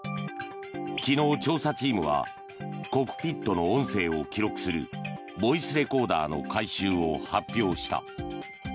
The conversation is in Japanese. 昨日、調査チームはコックピットの音声を記録するボイスレコーダーの回収を発表した。